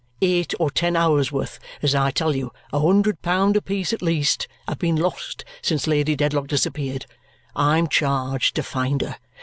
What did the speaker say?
Eight or ten hours, worth, as I tell you, a hundred pound apiece at least, have been lost since Lady Dedlock disappeared. I am charged to find her.